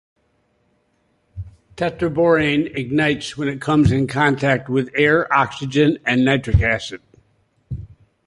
Tetraborane ignites when it comes in contact with air, oxygen, and nitric acid.